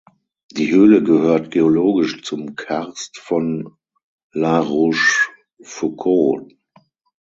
Die Höhle gehört geologisch zum Karst von La Rochefoucauld.